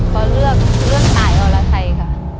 ขอเลือกเรื่องตายอรชัยค่ะ